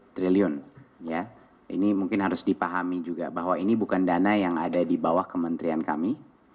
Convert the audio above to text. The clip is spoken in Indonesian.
satu triliun ini mungkin harus dipahami juga bahwa ini bukan dana yang ada di bawah kementerian kami